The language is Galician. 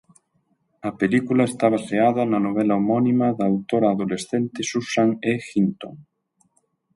A película está baseada na novela homónima da autora adolescente Susan E. Hinton.